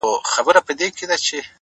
نه !! نه داسي نه ده!!